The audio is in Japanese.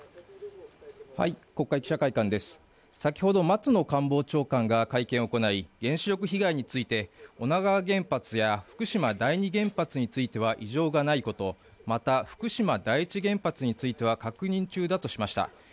先ほど松野官房長官が会見を行い、原子力被害について、女川原発や福島第２原発については異常がないこと、また、福島第１原発については確認中だとしました。